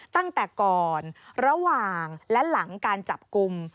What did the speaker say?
ตั้งแต่ก่อนระหว่างและหลังการจับกลุ่ม